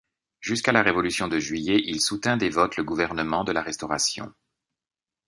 Jusqu'à la révolution de Juillet, il soutint des votes le gouvernement de la Restauration.